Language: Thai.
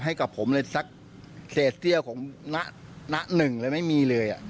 ให้กับผมเลยสักเศษเตี้ยของณหนึ่งเลยไม่มีเลย